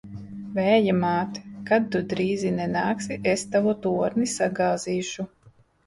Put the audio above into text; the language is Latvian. Vēja māt! Kad tu drīzi nenāksi, es tavu torni sagāzīšu!